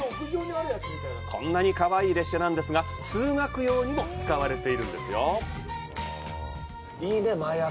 こんなにかわいい列車ですが、通学用にも使われております。